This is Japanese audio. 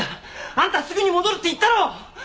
あんたすぐに戻るって言ったろ！